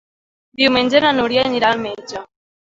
Diumenge na Núria anirà al metge.